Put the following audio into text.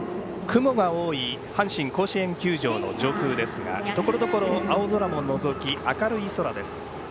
雲が多い阪神甲子園球場の上空ですがところどころ青空ものぞき明るい空です。